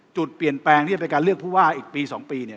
จุดเปลี่ยนแปลงที่จะเป็นการเลือกผู้ว่าอีกปี๒ปีเนี่ย